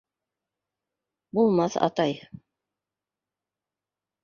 Булмаҫ, атай.